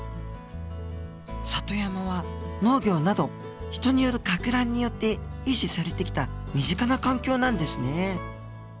里山は農業など人によるかく乱によって維持されてきた身近な環境なんですね。